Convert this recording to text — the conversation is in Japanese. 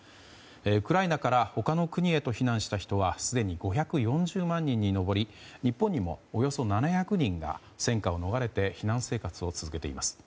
ウクライナから他の国へと避難した人はすでに５４０万人に上り日本にもおよそ７００人が戦火を逃れて避難生活を続けています。